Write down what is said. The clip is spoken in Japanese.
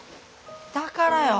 だからよ。